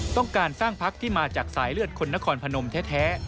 ต้องการสร้างพักที่มาจากสายเลือดคนนครพนมแท้